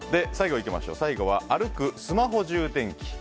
最後は、歩くスマホ充電器。